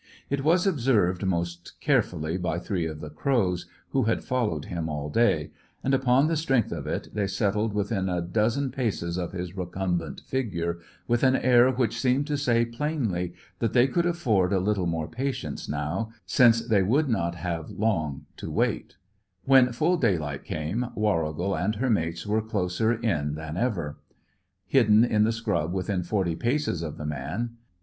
It was observed most carefully by three of the crows, who had followed him all day; and upon the strength of it, they settled within a dozen paces of his recumbent figure, with an air which seemed to say plainly that they could afford a little more patience now, since they would not have long to wait. [Illustration: They settled within a dozen paces of his recumbent figure.] When full daylight came, Warrigal and her mates were closer in than ever; hidden in the scrub within forty paces of the man.